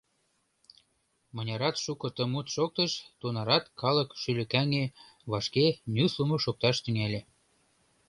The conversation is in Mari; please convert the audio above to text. Мынярат шуко ты мут шоктыш, тунарат калык шӱлыкаҥе, вашке нюслымо шокташ тӱҥале.